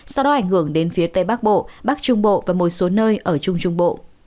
sau đó ảnh hưởng đến phía tây bắc bộ bắc trung bộ và một số nơi ở trung trung bộ